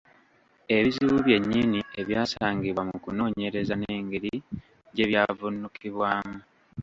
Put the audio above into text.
Ebizibu byennyini ebyasangibwa mu kunoonyereza n’engeri gye byavvuunukibwamu.